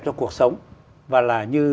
cho cuộc sống và là như